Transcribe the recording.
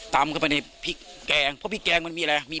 ตำเข้าไปในพริกแกงเพราะพริกแกงมันมีอะไรมี